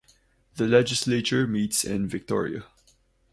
The Legislature meets in Victoria.